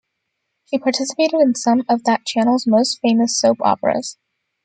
She participated in some of that channel's most famous soap operas.